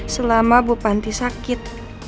selama bu panti sakit